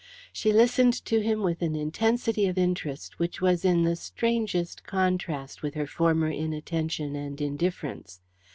She listened to him with an intensity of interest which was in the strangest contrast with her former inattention and indifference.